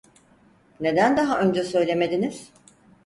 Neden daha önce söylemediniz?